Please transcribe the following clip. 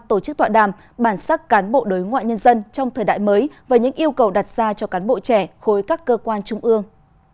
tổ chức tọa đàm bản sắc cán bộ đối ngoại nhân dân trong thời đại mới và những yêu cầu đặt ra cho cán bộ trẻ khối các cơ quan trung ương